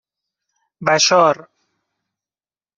بَشار